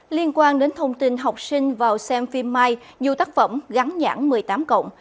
liên quan đến thông tin học sinh vào xem phim mai dù tác phẩm gắn nhãn một mươi tám cộng